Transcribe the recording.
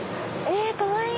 かわいい！